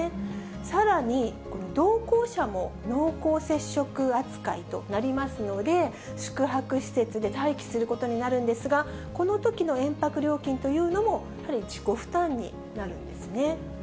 さらに同行者も濃厚接触扱いとなりますので、宿泊施設で待機することになるんですが、このときの延泊料金というのも、やはり自己負担になるんですね。